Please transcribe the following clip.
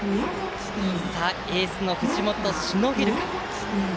エースの藤本はしのげるか。